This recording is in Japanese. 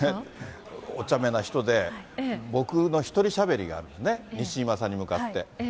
おちゃめな人で、僕の１人しゃべりがあるんですよね、西島さんに向かって。